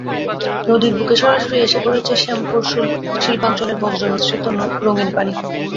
নদীর বুকে সরাসরি এসে পড়ছে শ্যামপুর শিল্পাঞ্চলের বর্জ্য মিশ্রিত রঙিন পানি।